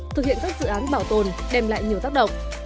thực hiện các dự án bảo tồn đem lại nhiều tác động